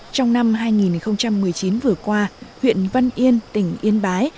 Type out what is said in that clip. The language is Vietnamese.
trong năm hai nghìn một mươi chín vừa qua huyện văn yên tỉnh yên bái